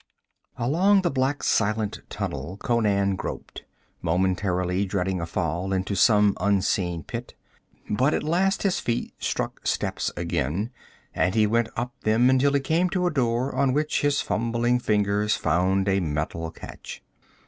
5 Along the black silent tunnel Conan groped, momentarily dreading a fall into some unseen pit; but at last his feet struck steps again, and he went up them until he came to a door on which his fumbling fingers found a metal catch.